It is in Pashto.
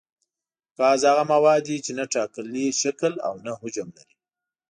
ګاز هغه مواد دي چې نه ټاکلی شکل او نه حجم لري.